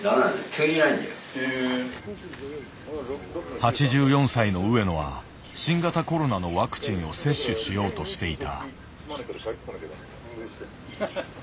８４歳の上野は新型コロナのワクチンを接種しようとしていた。